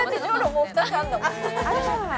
もう２つあんだもん